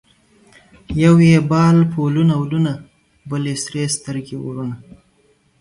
یو یې بال په ولونه ولونه ـ بل یې سرې سترګې اورونه